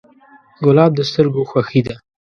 ګلاب د سترګو خوښي ده.